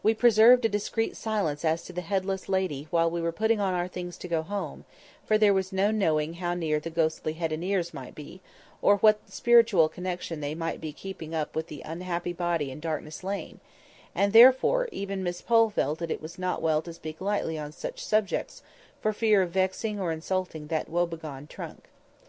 We preserved a discreet silence as to the headless lady while we were putting on our things to go home, for there was no knowing how near the ghostly head and ears might be, or what spiritual connection they might be keeping up with the unhappy body in Darkness Lane; and, therefore, even Miss Pole felt that it was as well not to speak lightly on such subjects, for fear of vexing or insulting that woebegone trunk.